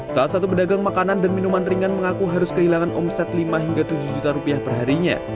salah satu pedagang makanan dan minuman ringan mengaku harus kehilangan omset lima hingga tujuh juta rupiah perharinya